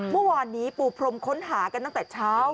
เมื่อวานนี้ปูพรมค้นหากันตั้งแต่เช้า